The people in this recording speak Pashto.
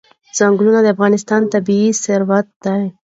ځنګلونه د افغانستان طبعي ثروت دی.